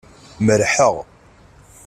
Merrḥeɣ.